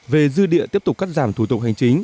về dư địa tiếp tục cắt giảm thủ tục hành chính